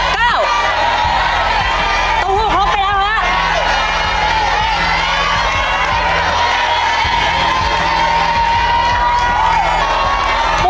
เก้าตรงหู้ครบไปแล้วนะฮะ